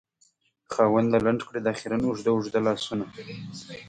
خاونده! لنډ کړې دا خیرن اوږده اوږده لاسونه